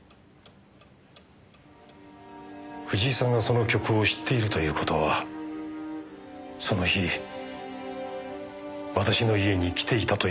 藤井さんがその曲を知っているという事はその日私の家に来ていたという事以外考えられません。